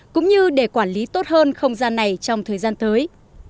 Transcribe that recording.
cũng như để quản lý tốt hơn không gian này trong thời gian tới